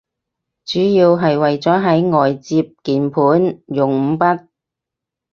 主要係為咗喺外接鍵盤用五筆